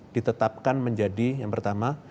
ditetapkan menjadi yang pertama